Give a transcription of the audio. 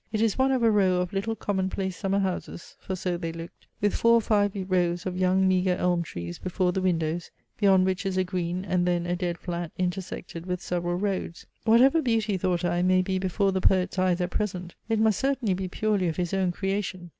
It is one of a row of little common place summer houses, (for so they looked,) with four or five rows of young meagre elm trees before the windows, beyond which is a green, and then a dead flat intersected with several roads. Whatever beauty, (thought I,) may be before the poet's eyes at present, it must certainly be purely of his own creation.